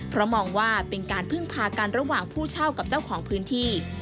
เพราะมองว่าเป็นการพึ่งพากันระหว่างผู้เช่ากับเจ้าของพื้นที่